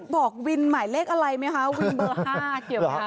บอกวินหมายเลขอะไรไหมคะวินเบอร์๕เกี่ยวไหมคะ